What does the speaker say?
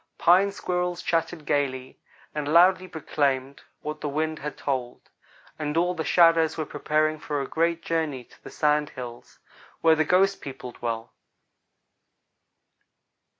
Pine squirrels chattered gayly, and loudly proclaimed what the wind had told; and all the shadows were preparing for a great journey to the Sand Hills, where the ghost people dwell.